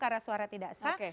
karena suara tidak sah